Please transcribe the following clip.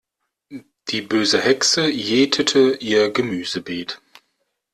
Die böse Hexe jätete ihr Gemüsebeet.